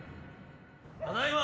ただいま。